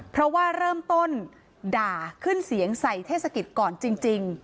เพราะว่าเริ่มต้นด่าขึ้นเสียงใส่เทศกิจก่อนจริง